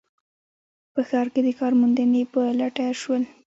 په ښار کې د کار موندنې په لټه کې شول